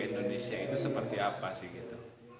indonesia itu seperti apa sih gitu